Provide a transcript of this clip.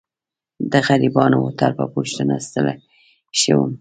د غریبانه هوټل په پوښتنه ستړی شوم.